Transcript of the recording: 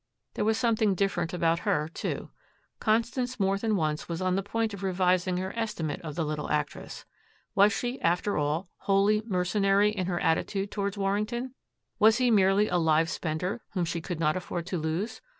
There was something different about her, too. Constance more than once was on the point of revising her estimate of the little actress. Was she, after all, wholly mercenary in her attitude toward Warrington? Was he merely a live spender whom she could not afford to lose?